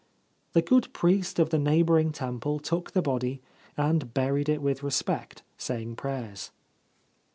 The good priest of the neighbouring temple took the body, and buried it with respect, saying prayers.